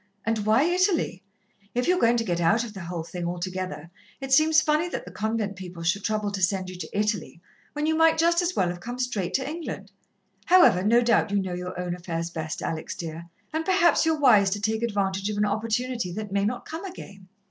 And why Italy? If you're going to get out of the whole thing altogether, it seems funny that the convent people should trouble to send you to Italy, when you might just as well have come straight to England. However, no doubt you know your own affairs best, Alex, dear, and perhaps you're wise to take advantage of an opportunity that may not come again!